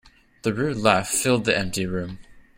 The rude laugh filled the empty room.